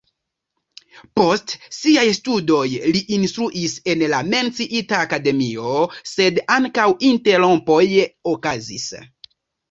Post siaj studoj li instruis en la menciita akademio, sed ankaŭ interrompoj okazis.